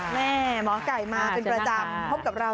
แหมหมอกัยมาเป็นประจำ